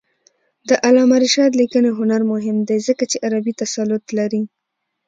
د علامه رشاد لیکنی هنر مهم دی ځکه چې عربي تسلط لري.